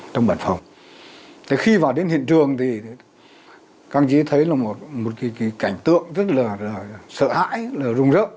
thì khi vào đến hiện trường thì các anh chị thấy là một cảnh tượng rất là sợ hãi rung rỡng